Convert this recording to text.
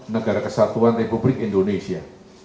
negara kesatuan republik indonesia